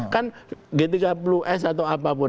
kan g tiga puluh s atau apapun lainnya jugaorg